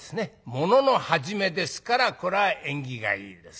ものの初めですからこれは縁起がいいです。